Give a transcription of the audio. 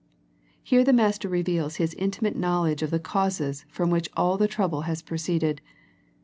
Here the Master reveals His intimate knowl edge of the causes from which all the trouble has proceeded.